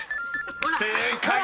［正解！］